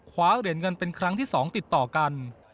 คว้าเหรียญเงินเป็นครั้งที่๒ติดต่อกัน